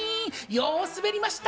よう滑りました。